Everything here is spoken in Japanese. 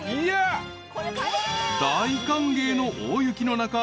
［大歓迎の大雪の中］